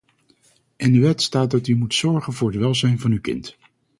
In de wet staat dat u moet zorgen voor het welzijn van uw kind.